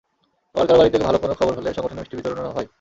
আবার কারও বাড়িতে ভালো কোনো খবর হলে সংগঠনে মিষ্টি বিতরণও হয়।